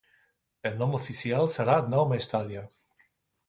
El nom oficial serà Nou Mestalla.